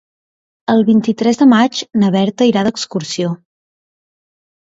El vint-i-tres de maig na Berta irà d'excursió.